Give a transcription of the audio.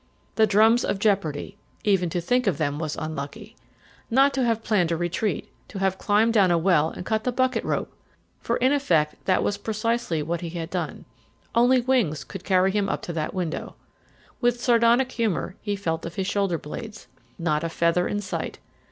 The drums of jeopardy even to think of them was unlucky! Not to have planned a retreat; to have climbed down a well and cut the bucket rope! For in effect that was precisely what he had done. Only wings could carry him up to that window. With sardonic humour he felt of his shoulder blades. Not a feather in sight.